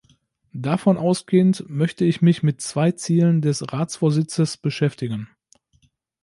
Davon ausgehend möchte ich mich mit zwei Zielen des Ratsvorsitzes beschäftigen.